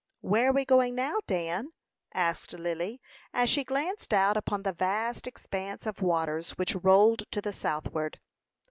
"Where are we going now, Dan?" asked Lily, as she glanced out upon the vast expanse of waters which rolled to the southward.